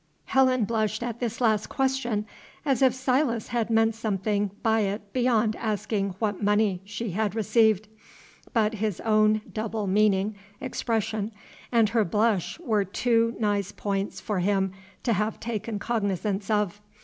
Helen blushed at this last question, as if Silas had meant something by it beyond asking what money she had received; but his own double meaning expression and her blush were too nice points for him to have taken cognizance of.